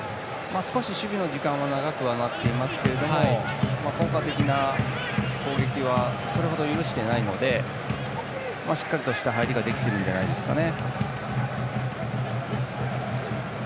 少し守備の時間が長くなっていますが効果的な攻撃はそれほど許していないのでしっかりとした入りができてるんじゃないですかね。